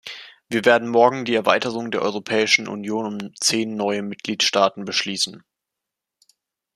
Wir werden morgen die Erweiterung der Europäischen Union um zehn neue Mitgliedstaaten beschließen.